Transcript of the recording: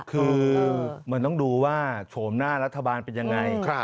คือมันต้องดูว่าโฉมหน้ารัฐบาลเป็นยังไง